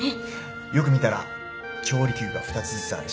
よく見たら調理器具が２つずつあるし